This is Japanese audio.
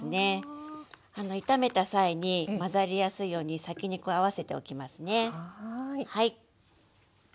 炒めた際に混ざりやすいように先にこう合わせておきますね。